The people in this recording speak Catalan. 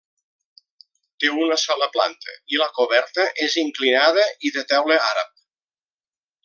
Té una sola planta; i la coberta és inclinada i de teula àrab.